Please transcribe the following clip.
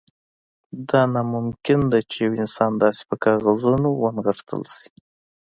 دا ناممکن ده چې یو انسان داسې په کاغذونو ونغښتل شي